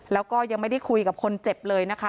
แล้วก็ยังไม่ได้คุยกับคนเจ็บเลยนะคะ